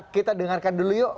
kita dengarkan dulu yuk